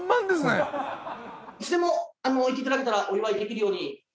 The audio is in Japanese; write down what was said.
いつでも言って頂けたらお祝いできるように準備は。